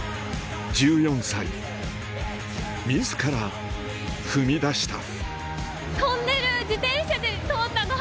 １４歳自ら踏み出した